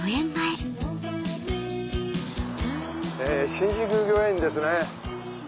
新宿御苑ですね。